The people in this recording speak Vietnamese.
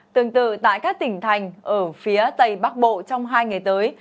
tương tự tại các tỉnh thành ở phía tây bắc bộ trong hai ngày tới